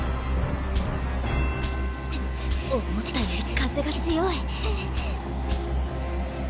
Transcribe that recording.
思ったより風が強い